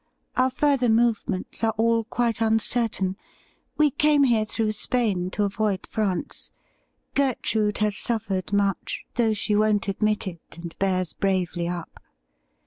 Our further movements are all quite uncertain. We came here through Spain to avoid France. Gertrude has suffered much, though she won''t admit it, and bears bravely up.